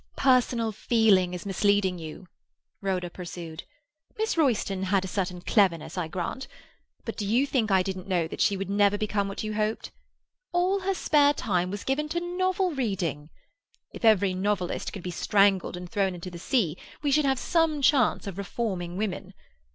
"Personal feeling is misleading you," Rhoda pursued. "Miss Royston had a certain cleverness, I grant; but do you think I didn't know that she would never become what you hoped? All her spare time was given to novel reading. If every novelist could be strangled and thrown into the sea we should have some chance of reforming women.